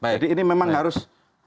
jadi ini memang harus